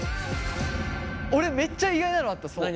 俺めっちゃ意外なのあった。